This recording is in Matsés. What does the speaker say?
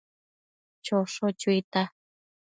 Chosho chuita